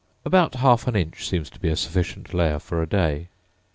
About half an inch seems to be a sufficient layer for a day.